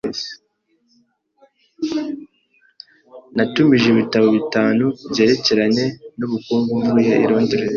Natumije ibitabo bitanu byerekeranye n'ubukungu mvuye i Londres.